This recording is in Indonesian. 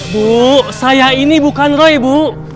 bu saya ini bukan roy bu